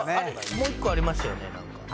もう１個ありましたよね